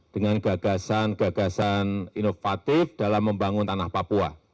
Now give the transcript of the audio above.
dengan gagasan gagasan inovatif dalam membangun tanah papua